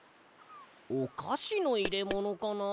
おかしのいれものかな？